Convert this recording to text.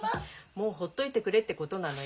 もうほっといてくれってことなのよ。